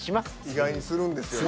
意外にするんですよね。